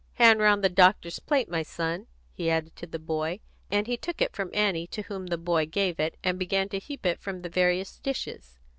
Hand round the doctor's plate, my son," he added to the boy, and he took it from Annie, to whom the boy gave it, and began to heap it from the various dishes.